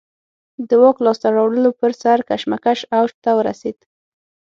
د واک لاسته راوړلو پر سر کشمکش اوج ته ورسېد